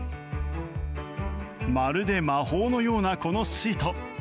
まるで魔法のようなこのシート。